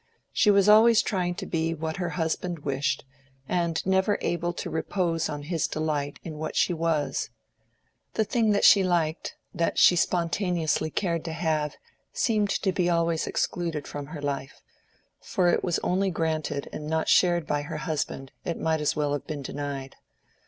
She was always trying to be what her husband wished, and never able to repose on his delight in what she was. The thing that she liked, that she spontaneously cared to have, seemed to be always excluded from her life; for if it was only granted and not shared by her husband it might as well have been denied.